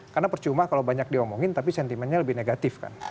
karena percuma kalau banyak diomongin tapi sentimennya lebih negatif kan